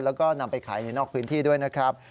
แล้วก็นำไปขายในนอกพื้นที่ด้วยนะครับ